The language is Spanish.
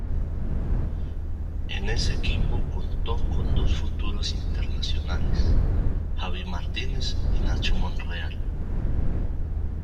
En ese equipo contó con dos futuros internacionales: Javi Martínez y Nacho Monreal.